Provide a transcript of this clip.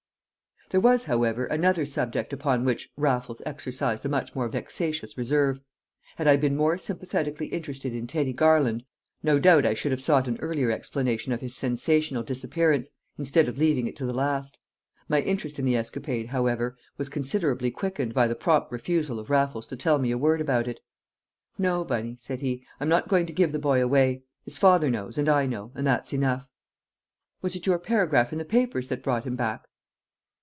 There was, however, another subject upon which Raffles exercised a much more vexatious reserve. Had I been more sympathetically interested in Teddy Garland, no doubt I should have sought an earlier explanation of his sensational disappearance, instead of leaving it to the last. My interest in the escapade, however, was considerably quickened by the prompt refusal of Raffles to tell me a word about it. "No, Bunny," said he, "I'm not going to give the boy away. His father knows, and I know and that's enough." "Was it your paragraph in the papers that brought him back?"